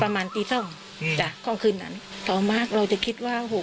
ประมาณตีสองอืมจ้ะของคืนนั้นต่อมาเราจะคิดว่าโห